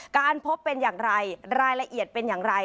การพบเป็นอย่างไรรายละเอียดเป็นอย่างไร